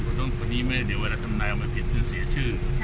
เพราะตอนนี้ไม่ได้เดี๋ยวว่าเราทำนายออกมาผิดจะเสียชื่อ